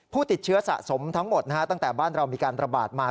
ผู้ติดเชื้อสะสมทั้งหมดตั้งแต่บ้านเรามีการระบาดมา